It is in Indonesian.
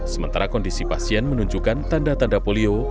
sementara kondisi pasien menunjukkan tanda tanda polio